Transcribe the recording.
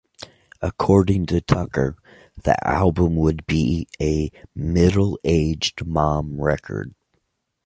According to Tucker, the album would be a "middle-aged mom record".